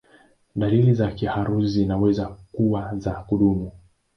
Dalili za kiharusi zinaweza kuwa za kudumu.